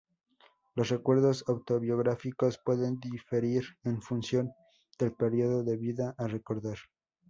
Los recuerdos autobiográficos pueden diferir en función del periodo de vida a recordar.